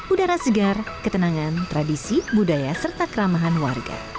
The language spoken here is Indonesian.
udara segar ketenangan tradisi budaya serta keramahan warga